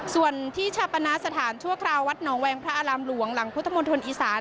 ส่วนที่ชาปนาสถานชั่วคราววัดหนองแวงพระอารามหลวงหลังพุทธมนตรอีสาน